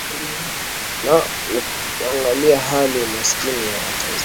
na ukiangalia hali ya umaskini wa watanzania